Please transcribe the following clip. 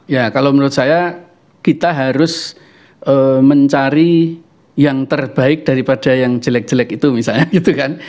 ya kalau menurut saya kita harus mencari yang terbaik daripada yang jelek jelek itu misalnya gitu kan